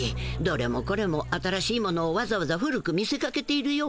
どれもこれも新しいものをわざわざ古く見せかけているよ。